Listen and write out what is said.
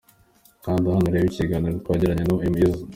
Kanda hano urebe ikiganiro twagiranye na M Izzle.